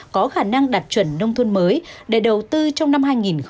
có khả năng đạt chuẩn nông thôn mới để đầu tư trong năm hai nghìn một mươi chín